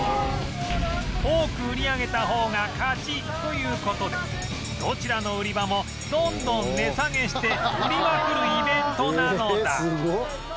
多く売り上げた方が勝ちという事でどちらの売り場もどんどん値下げして売りまくるイベントなのだ